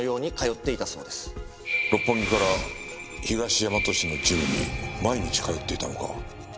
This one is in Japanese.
六本木から東大和市のジムに毎日通っていたのか。